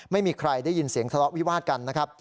ไม่มีใครได้ยินเสียงทะเลาะวิวาดกันนะครับ